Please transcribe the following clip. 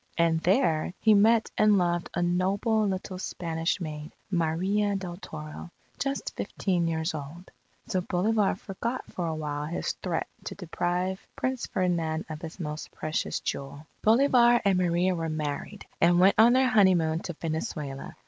And there, he met and loved a noble, little Spanish maid, Maria del Toro, just fifteen years old. So Bolivar forgot for a while his threat to deprive Prince Ferdinand of his most precious jewel. Bolivar and Maria were married, and went on their honeymoon to Venezuela.